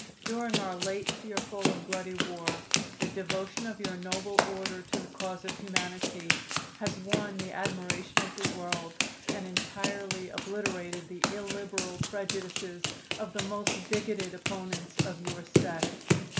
"'During our late fearful and bloody war the devotion of your noble order to the cause of humanity has won the admiration of the world, and entirely obliterated the illiberal prejudices of the most bigoted opponents of your sect.